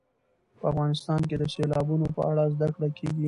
په افغانستان کې د سیلابونو په اړه زده کړه کېږي.